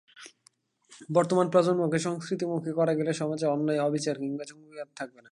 বর্তমান প্রজন্মকে সংস্কৃতিমুখী করা গেলে সমাজে অন্যায়, অবিচার কিংবা জঙ্গিবাদ থাকবে না।